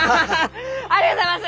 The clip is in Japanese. ありがとうございます！